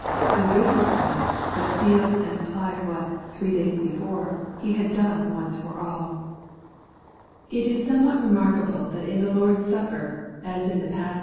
The risen Christ but sealed and applied what, three days before. He had done once for alL It is somewhat remarkable that in the Lord's 124 The JEverldsting Eighteousness.